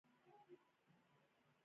خلک د اسکی لپاره غرونو ته ځي.